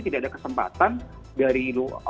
tidak ada kesempatan dari